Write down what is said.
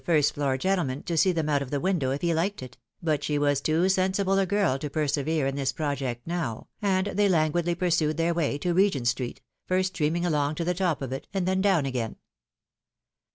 st floor gentleman to see them out of the window if he hked it ; but she was too sensible a girl to persevere in this project now, and PATTY STUDIES HEK PART. 215 tliey languidly pursued tlieir way to Regent street, first stream ing along to the top of it, and then down again.